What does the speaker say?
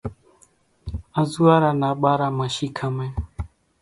انزوئارا نا ٻارا مان شيکامڻ،